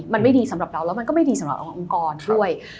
มันไม่ดีสำหรับเราแล้วมันก็ไม่ดีสำหรับองค์กรด้วย